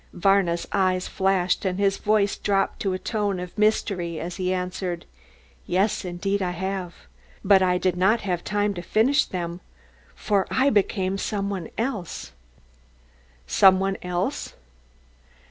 Varna's eyes flashed and his voice dropped to a tone of mystery as he answered: "Yes indeed I have. But I did not have time to finish them. For I had become some one else." "Some one else?"